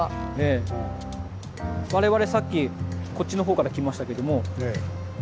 我々さっきこっちの方から来ましたけども。